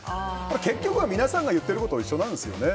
結局は皆さんが言ってることと一緒なんですよね。